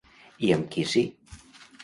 I amb qui sí?